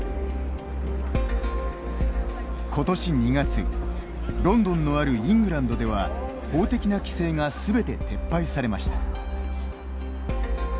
ことし２月ロンドンのあるイングランドでは法的な規制がすべて撤廃されました。